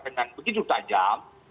dengan begitu tajam